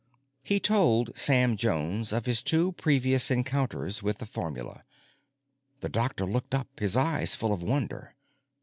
He told Sam Jones of his two previous encounters with the formula. The doctor looked up, his eyes full of wonder.